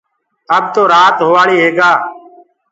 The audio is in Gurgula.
اب تو رآت هووآݪيٚ هي گآ